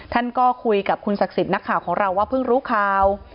ท่านก็คุยกับคุณศักดิ์สิทธิ์นักข่าวของเราว่าเพิ่งรู้ข่าว